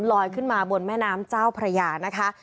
ลอยขึ้นมาบนแม่น้ำเจ้าพระยานะคะ